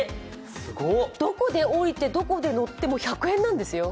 どこで降りてどこで乗っても１００円なんですよ。